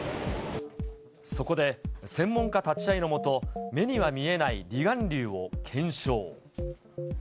そこで専門家立ち会いのもと、目には見えない離岸流を検証。